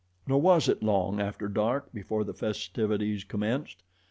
Nor was it long after dark before the festivities commenced.